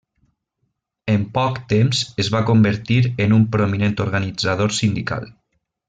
En poc temps es va convertir en un prominent organitzador sindical.